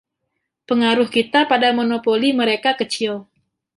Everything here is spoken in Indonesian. Pengaruh kita pada monopoli mereka kecil.